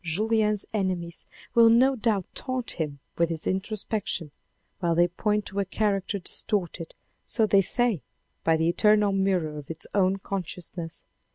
Julien's enemies will no doubt taunt him with his introspection, while they point to a character distorted, so they say, by the eternal mirror of its own conscious ness.